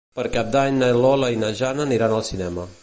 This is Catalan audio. Per Cap d'Any na Lola i na Jana aniran al cinema.